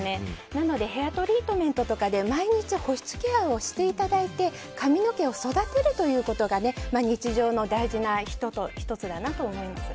なのでヘアトリートメントとかで毎日、保湿ケアをしていただいて髪の毛を育てるのが日常の大事な１つだと思います。